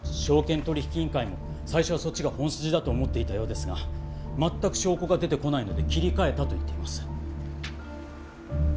証券取引委員会も最初はそっちが本筋だと思っていたようですが全く証拠が出てこないので切り替えたと言っています。